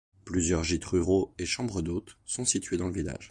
Plusieurs gîtes ruraux et chambres d'hôtes sont situés dans le village.